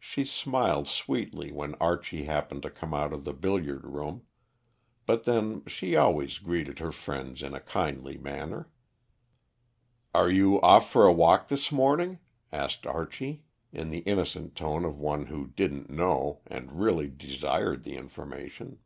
She smiled sweetly when Archie happened to come out of the billiard room; but then she always greeted her friends in a kindly manner. "Are you off for a walk this morning?" asked Archie, in the innocent tone of one who didn't know, and really desired the information.